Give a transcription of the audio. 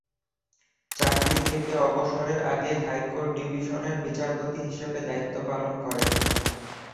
চাকরি থেকে অবসরের আগে হাইকোর্ট ডিভিশনের বিচারপতি হিসেবে দ্বায়িত্ব পালন করেন।